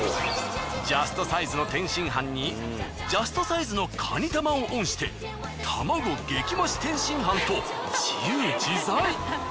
ジャストサイズの天津飯にジャストサイズのカニ玉をオンして玉子激増し天津飯と自由自在。